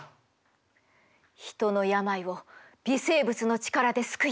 人の病を微生物の力で救いたい。